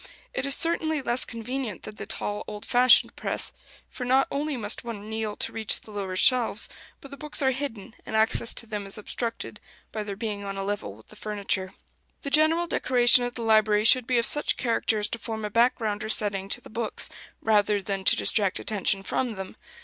It is certainly less convenient than the tall old fashioned press; for not only must one kneel to reach the lower shelves, but the books are hidden, and access to them is obstructed, by their being on a level with the furniture. The general decoration of the library should be of such character as to form a background or setting to the books, rather than to distract attention from them.